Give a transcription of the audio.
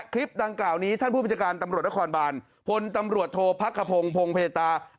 คลิปดังกล่าวนี้ท่านผู้บัญชาการตำรวจนครบานพลตำรวจโทษพักขพงศ์พงเพตา